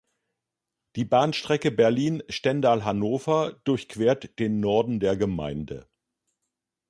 Die Bahnstrecke Berlin-Stendal-Hannover durchquert den Norden der Gemeinde.